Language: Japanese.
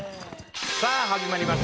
さあ始まりました